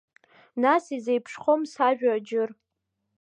Нас изеиԥшхом сажәа аџьыр!